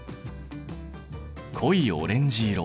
濃いオレンジ色。